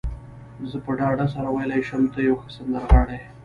زه په ډاډ سره ویلای شم، ته یو ښه سندرغاړی يې.